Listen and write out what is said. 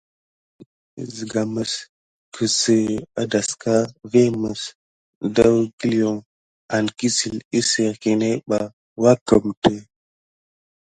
Kine siga mis suke aɗaska vin mis darkiwune kankure kisérè kiné bay wukemti.